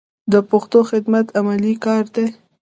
د پښتو خدمت عملي کار دی.